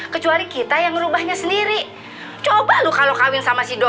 menurut intan mulus mak